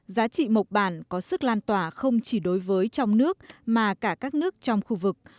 giá trị mộc bản có sức lan tỏa không chỉ đối với trong nước mà cả các nước trong khu vực